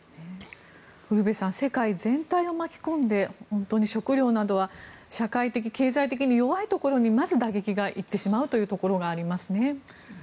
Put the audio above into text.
ウルヴェさん世界全体を巻き込んで本当に食糧などは社会的、経済的に弱いところにまず打撃が行ってしまうというところがありますね。